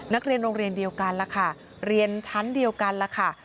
นักเรียนโรงเรียนเดียวกันล่ะค่ะเรียนชั้นเดียวกันล่ะค่ะ